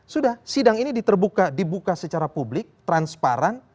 sudah sidang ini dibuka secara publik transparan